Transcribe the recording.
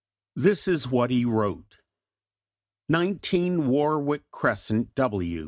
This is what he wrote: 19, WARWICK CRESCENT, W.